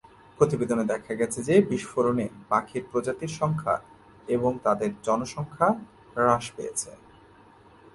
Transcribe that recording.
প্রতিবেদনে দেখা গেছে যে বিস্ফোরণে পাখির প্রজাতির সংখ্যা এবং তাদের জনসংখ্যা হ্রাস পেয়েছে।